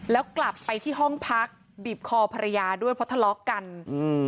แล้วกลับไปที่ห้องพักบีบคอภรรยาด้วยเพราะทะเลาะกันอืม